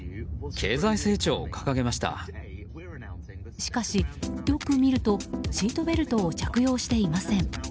しかし、よく見るとシートベルトを着用していません。